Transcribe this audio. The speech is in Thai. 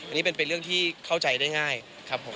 อันนี้เป็นเรื่องที่เข้าใจได้ง่ายครับผม